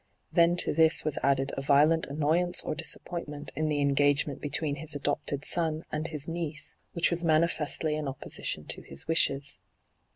Then to this was added a violent annoyance or disappointment in the engagement between his adopted son and his hyGoogIc ENTRAPPED 77 niece, which was manifestly in opposition to his wishes.